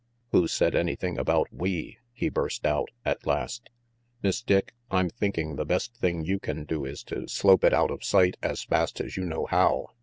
"Who said anything about 'we'?" he burst out, at last. "Miss Dick, I'm thinking the best thing you can do is to slope it out of sight as fast as you know how.